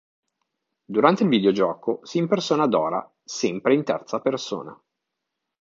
Durante il videogioco si impersona "Dora" sempre in terza persona.